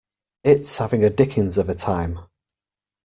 It's having the dickens of a time.